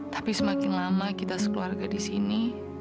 tapi semakin lama kita sekeluarga disini